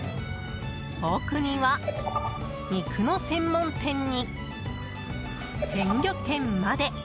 奥には、肉の専門店に鮮魚店まで。